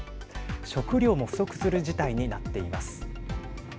食料も不足する事態になっています。